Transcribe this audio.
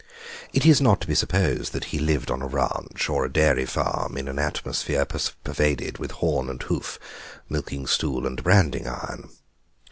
It is not to be supposed that he lived on a ranche or a dairy farm, in an atmosphere pervaded with horn and hoof, milking stool, and branding iron.